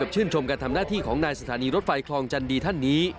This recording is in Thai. ชื่นชมการทำหน้าที่ของนายสถานีรถไฟคลองจันดีท่านนี้